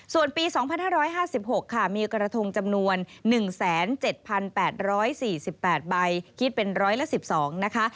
ส่วนปี๒๕๕๖ค่ะมีกระทงจำนวน๑๗๘๔๘ใบคิดเป็นร้อยละ๑๒นะคะ